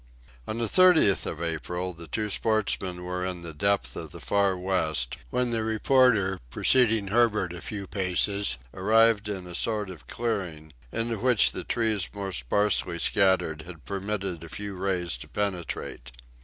On the 30th of April, the two sportsmen were in the depth of the Far West, when the reporter, preceding Herbert a few paces, arrived in a sort of clearing, into which the trees more sparsely scattered had permitted a few rays to penetrate.